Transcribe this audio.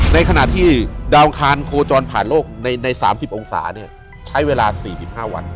ในขณะที่ดาวอังคารโคจรผ่านโลกใน๓๐องศาใช้เวลา๔๕วัน